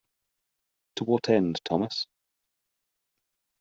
To what end, Thomas?